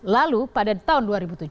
lalu pada tahun dua ribu tujuh belas